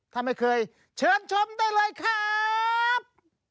ถ้าไม่เคยเชิญชมได้เลยครับ